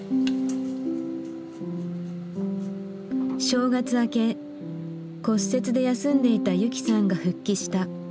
正月明け骨折で休んでいた雪さんが復帰した。